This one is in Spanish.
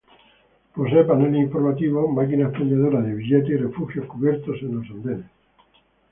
Posee paneles informativos, máquina expendedora de billetes y refugios cubiertos en los andenes.